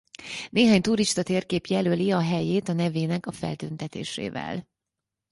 Néhány turistatérkép jelöli a helyét a nevének a feltüntetésével.